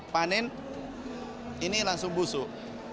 panen ini langsung busuk